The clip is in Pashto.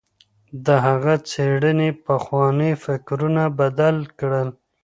د هغه څېړنې پخواني فکرونه بدل کړل.